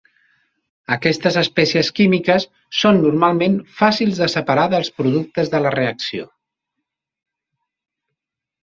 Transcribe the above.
Aquestes espècies químiques són normalment fàcils de separar dels productes de la reacció.